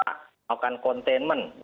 kita bisa melakukan containment